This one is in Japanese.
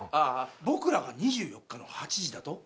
僕らが２４日の８時だと皆さんは？